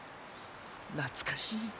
懐かしい。